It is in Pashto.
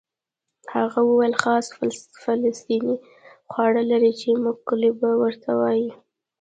هغه وویل خاص فلسطیني خواړه لري چې مقلوبه ورته وایي.